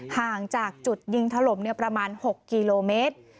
ห่างจากจุดยิงถล่มประมาณ๖กิโลเมตร